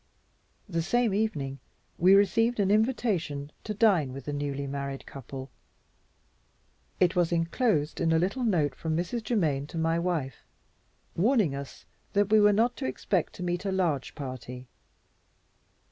The same evening we received an invitation to dine with the newly married couple. It was inclosed in a little note from Mrs. Germaine to my wife, warning us that we were not to expect to meet a large party.